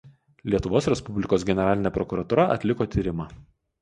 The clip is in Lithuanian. Lietuvos Respublikos generalinė prokuratūra atliko tyrimą.